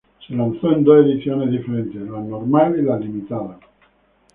Se lanzó en dos ediciones diferentes: Normal y Limitada.